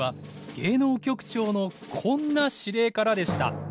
芸能局長のこんな指令からでした。